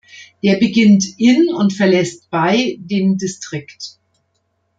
Der beginnt in und verlässt bei den Distrikt.